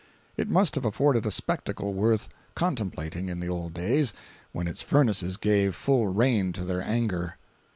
It must have afforded a spectacle worth contemplating in the old days when its furnaces gave full rein to their anger.